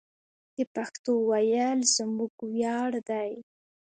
د پښتو ویل زموږ ویاړ دی.